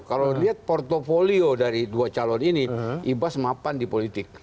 kalau lihat portfolio dari dua calon ini ibas mapan di politik